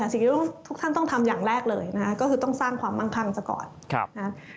สิ่งที่ทุกท่านต้องทำอย่างแรกเลยนะฮะก็คือต้องสร้างความมั่งคั่งซะก่อนนะครับ